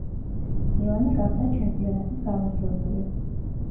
მილანი გახდა ჩემპიონატის გამარჯვებული.